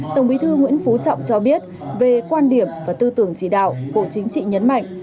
tổng bí thư nguyễn phú trọng cho biết về quan điểm và tư tưởng chỉ đạo bộ chính trị nhấn mạnh